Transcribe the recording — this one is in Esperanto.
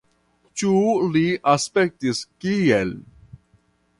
Ĉu li aspektis kiel !